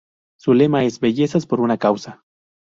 Su lema es "Bellezas por una causa".